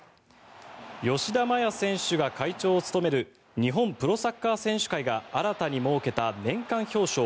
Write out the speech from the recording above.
吉田麻也選手が会長を務める日本プロサッカー選手会が新たに設けた年間表彰